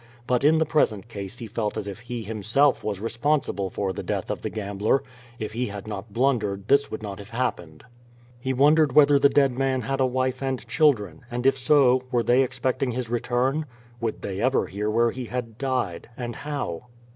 But in the present case he felt as if he himself was responsible for the death of the gambler; if he had not blundered this would not have happened. He wondered whether the dead man had a wife and children, and, if so, were they expecting his return? Would they ever hear where he had died, and how?